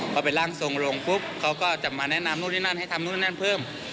พอเป็นร่างทรงลงปุ๊บเขาก็จะมาแนะนำนู่นนี่นั่นให้ทำนู่นนั่นเพิ่ม